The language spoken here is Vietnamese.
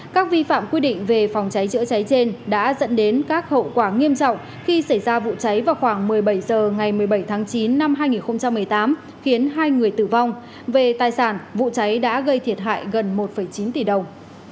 các vi phạm quy định về phòng cháy chữa cháy trên đã dẫn đến các hậu quả nghiêm trọng khi xảy ra vụ cháy vào khoảng một mươi bảy h ngày một mươi bảy tháng chín năm hai nghìn một mươi tám khiến hai người tử vong về tài sản vụ cháy đã gây thiệt hại gần một chín tỷ đồng